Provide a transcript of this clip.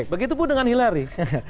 begitupun dengan hillary